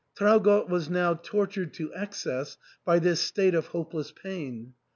Traugott was now tortured to excess by this state of hopeless pain.